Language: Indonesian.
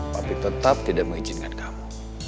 tapi tetap tidak mengizinkan kamu